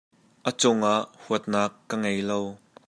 A cungah huatnak ka ngei lo.